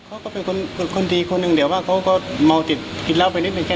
เขาก็เป็นคนดีคนหนึ่งเดี๋ยวว่าเขาก็เมาติดกินเหล้าไปนิดนึง